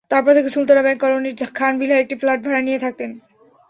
তারপর থেকে সুলতানা ব্যাংক কলোনির খান ভিলায় একটি ফ্ল্যাট ভাড়া নিয়ে থাকতেন।